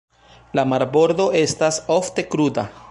La marbordo estas ofte kruda.